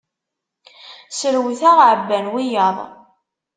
Srewteɣ, ɛabban wiyaḍ.